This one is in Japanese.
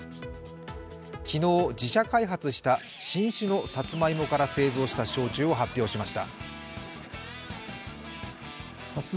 昨日、自社開発した新種のサツマイモから製造した焼酎を発表しました。